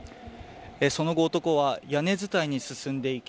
その後、男は屋根伝いに進んでいき